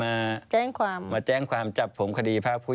แล้วเขาสร้างเองว่าห้ามเข้าใกล้ลูก